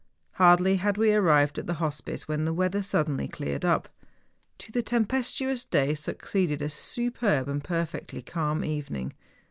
Hardly had we arrived at the hospice when the weather suddenly cleared up. To the tempestuous day succeeded a superb and perfectly calm evening.